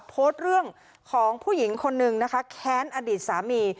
โพสต์เรื่องของผู้หญิงคนนึงนะคะแค้นอดีตสามี